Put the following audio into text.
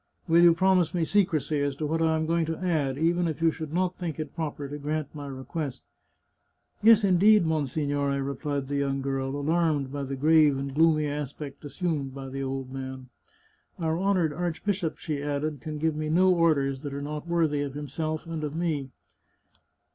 " Will you promise me secrecy as to what I am going to add, even if you should not think it proper to grant my request ?"" Yes, indeed, monsignore," replied the young girl, alarmed by the grave and gloomy aspect assumed by the old man. " Our honoured archbishop," she added, " can give me no orders that are not worthy of himself and of me."